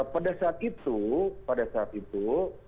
pada saat itu pada saat itu